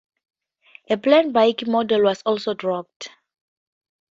A planned Buick model was also dropped.